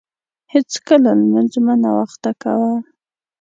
هیڅکله لمونځ مه ناوخته کاوه.